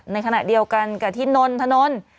ในขณะเดียวกันกับที่นนทนนท์